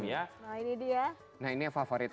nah ini dia nah ini yang favorit